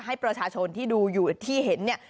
ให้ประชาชนที่ดูอยู่ที่เห็นเนี่ย